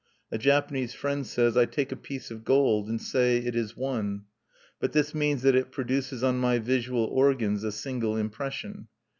A Japanese friend says: "I take a piece of gold, and say it is one. But this means that it produces on my visual organs a single impression.